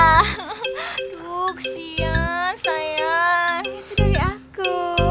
aduh kesian sayang itu dari aku